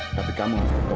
kamu harus sama jokro